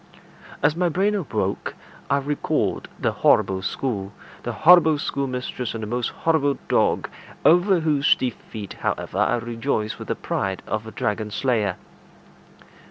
As my brain awoke, I recalled the horrible school, the horrible schoolmistress, and the most horrible dog, over whose defeat, however, I rejoiced with the pride of a dragon slayer.